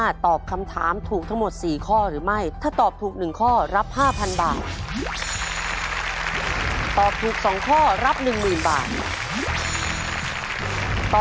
ตอบถูก๓ข้อรับ๑๐๐๐๐๐บาท